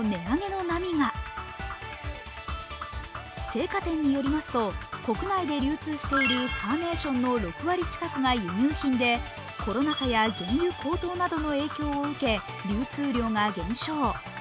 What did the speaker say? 生花店によりますと、国内で流通しているカーネーションの６割近くが輸入品でコロナ禍や原油高騰などの影響を受け流通量が減少。